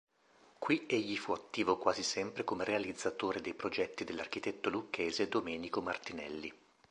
Qui egli fu attivo quasi sempre come realizzatore dei progetti dell'architetto lucchese Domenico Martinelli.